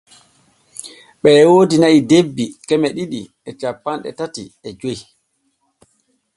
Ɓee woodi na’i debbi keme ɗiɗi e cappanɗe tati e joy.